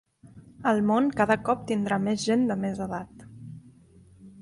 El món cada cop tindrà més gent de més edat